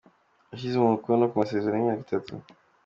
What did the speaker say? Yashyize umukono ku masezerano y'imyaka itatu.